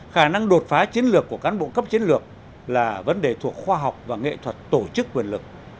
khả năng đột phá chiến lược của cán bộ cấp chiến lược là vấn đề thuộc khoa học và nghệ thuật tổ chức quyền lực